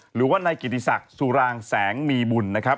หรือว่านายกิติศักดิ์สุรางแสงมีบุญนะครับ